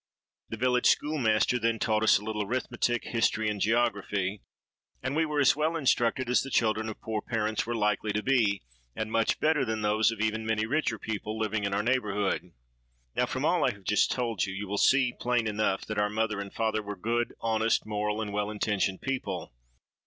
The village schoolmaster then taught us a little arithmetic, history, and geography; and we were as well instructed as the children of poor parents were likely to be, and much better than those of even many richer people living in our neighbourhood. "Now, from all I have just told you, you will see plain enough that our mother and father were good, honest, moral, and well intentioned people.